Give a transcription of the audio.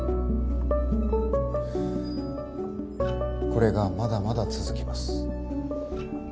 これがまだまだ続きます。